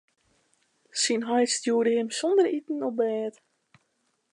Syn heit stjoerde him sonder iten op bêd.